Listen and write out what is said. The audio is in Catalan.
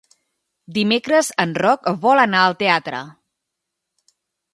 Dimecres en Roc vol anar al teatre.